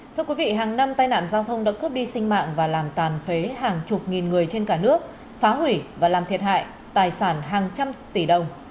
thưa quý vị hàng năm tai nạn giao thông đã cướp đi sinh mạng và làm tàn phế hàng chục nghìn người trên cả nước phá hủy và làm thiệt hại tài sản hàng trăm tỷ đồng